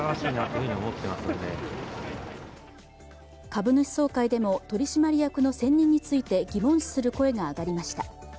株主総会でも取締役の選任について疑問視する声が上がりました。